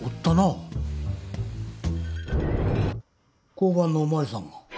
交番のお巡りさんが